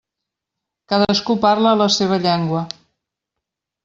Cadascú parla la seva llengua.